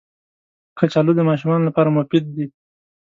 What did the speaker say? کچالو د ماشومانو لپاره مفید دي